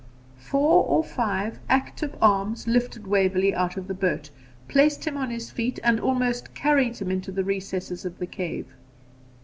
Four or five active arms lifted Waverley out of the boat, placed him on his feet, and almost carried him into the recesses of the cave.